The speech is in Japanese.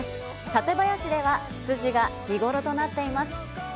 館林ではツツジが見ごろとなっています。